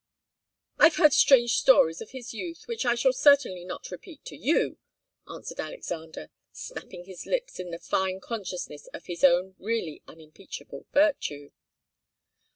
"I've heard strange stories of his youth, which I shall certainly not repeat to you," answered Alexander, snapping his lips in the fine consciousness of his own really unimpeachable virtue.